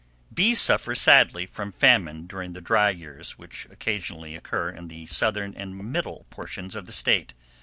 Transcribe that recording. Bees suffer sadly from famine during the dry years which occasionally occur in the southern and middle portions of the State.